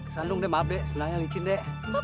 sandung dek senangnya licin dek